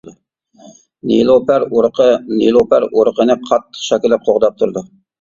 نېلۇپەر ئۇرۇقى نېلۇپەر ئۇرۇقىنى قاتتىق شاكىلى قوغداپ تۇرىدۇ.